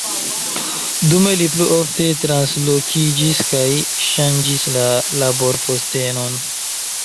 Dume li plu ofte translokiĝis, kaj ŝanĝis la laborpostenon.